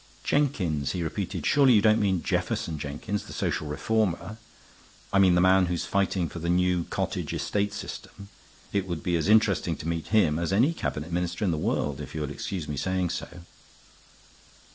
"Jenkins," he repeated. "Surely you don't mean Jefferson Jenkins, the social reformer? I mean the man who's fighting for the new cottage estate scheme. It would be as interesting to meet him as any Cabinet Minister in the world, if you'll excuse my saying so."